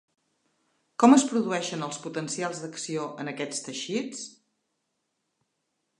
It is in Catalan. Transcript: Com es produeixen els potencials d'acció en aquests teixits?